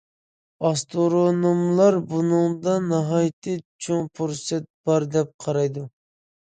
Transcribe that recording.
ئاسترونوملار بۇنىڭدا ناھايىتى چوڭ پۇرسەت بار دەپ قارايدۇ.